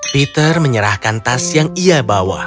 peter menyerahkan tas yang ia bawa